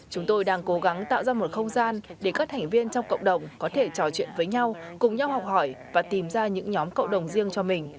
chúng tôi đang cố gắng tạo ra một không gian để các thành viên trong cộng đồng có thể trò chuyện với nhau cùng nhau học hỏi và tìm ra những nhóm cộng đồng riêng cho mình